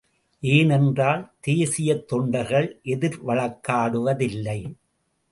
ஏனென்றால் தேசியத்தொண்டார்கள் எதிர் வழக்காடுவதில்லை.